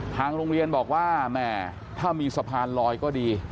ทางโรงเรียนบอกว่าแหมถ้ามีสะพานลอยก็ดี